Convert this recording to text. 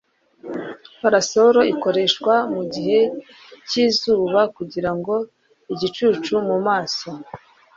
parasol ikoreshwa mugihe cyizuba kugirango igicucu mumaso